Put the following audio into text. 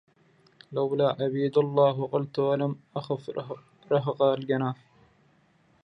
لولا عبيد الله قلت ولم أخف رهق الجناح